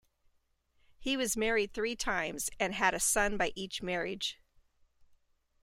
He was married three times and had a son by each marriage.